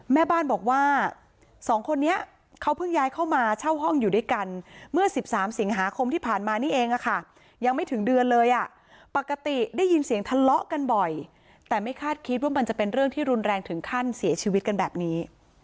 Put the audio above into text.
แม่บ้านบอกว่าสองคนนี้เขาเพิ่งย้ายเข้ามาเช่าห้องอยู่ด้วยกันเมื่อ๑๓สิงหาคมที่ผ่านมานี่เองค่ะยังไม่ถึงเดือนเลยอ่ะปกติได้ยินเสียงทะเลาะกันบ่อยแต่ไม่คาดคิดว่ามันจะเป็นเรื่องที่รุนแรงถึงขั้นเสียชีวิตกันแบบนี้